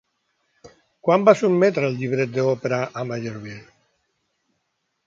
Quan va sotmetre el llibret d'òpera a Meyerbeer?